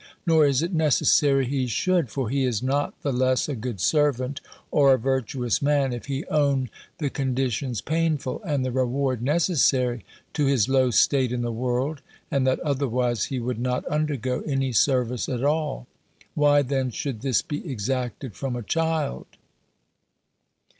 Nor is it necessary he should: for he is not the less a good servant, or a virtuous man, if he own the conditions painful, and the reward necessary to his low state in the world, and that otherwise he would not undergo any service at all. Why then should this be exacted from a child?